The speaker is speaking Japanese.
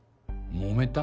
もめた？